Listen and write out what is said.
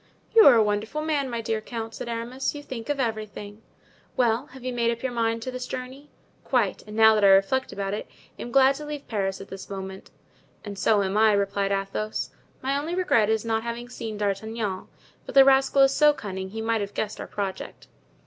"You are a wonderful man, my dear count," said Aramis; "you think of everything." "Well, have you made up your mind to this journey?" "Quite; and now that I reflect about it, I am glad to leave Paris at this moment." "And so am I," replied Athos; "my only regret is not having seen D'Artagnan; but the rascal is so cunning, he might have guessed our project."